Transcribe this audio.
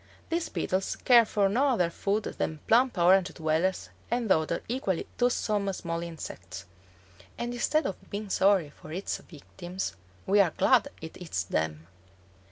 These beetles care for no other food than plump Orange dwellers and other equally toothsome small insects; and instead of being sorry for its victims, we are glad it eats them!